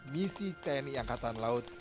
misi tni angkatan laut